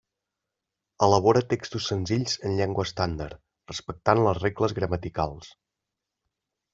Elabora textos senzills en llengua estàndard, respectant les regles gramaticals.